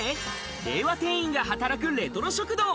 令和店員が働くレトロ食堂。